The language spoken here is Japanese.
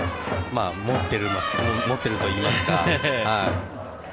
持ってるといいますか。